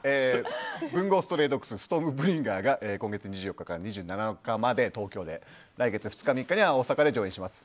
「文豪ストレイドッグスＳＴＯＲＭＢＲＩＮＧＥＲ」が今月２４日から２７日まで東京で来月２日には大阪で上演します。